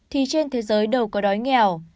thì trên thế giới đâu có đói nghèo